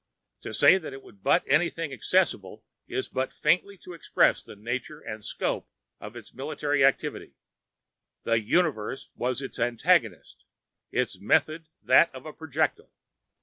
To say that it would butt anything accessible is but faintly to express the nature and scope of its military activity: the universe was its antagonist; its methods that of a projectile.